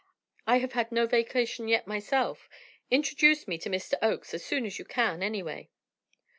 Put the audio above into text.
I have had no vacation yet myself. Introduce me to Mr. Oakes as soon as you can, anyway."